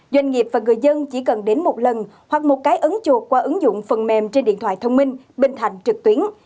doanh nghiệp và người dân chỉ cần đến một lần hoặc một cái ấn chuột qua ứng dụng phần mềm trên điện thoại thông minh bình thành trực tuyến